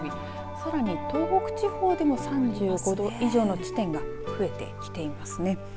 さらに東北地方でも３５度以上の地点が増えてきていますね。